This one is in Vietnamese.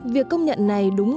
việc công nhận này đúng